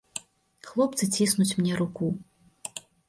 Хлопцы ціснуць мне руку.